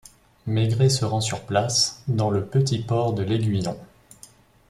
Maigret se rend sur place, dans le petit port deL'Aiguillon.